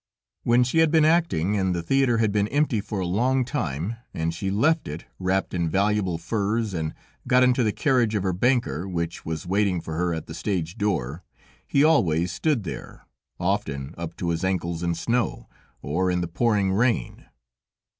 When she had been acting and the theater had been empty for a long time, and she left it, wrapped in valuable furs and got into the carriage of her banker, which was waiting for her at the stage door, he always stood there, often up to his ankles in snow, or in the pouring rain.